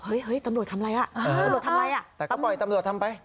เฮ้ยตำรวจทำอะไรอ่ะตำรวจทำอะไรอ่ะแต่ก็ปล่อยตำรวจทำไป